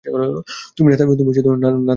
তুমি না থাকলে ভালো হয়।